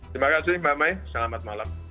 terima kasih mbak mai selamat malam